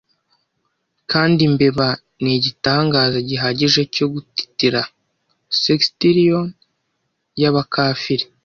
Kandi imbeba nigitangaza gihagije cyo gutitira sextillion yabakafiri.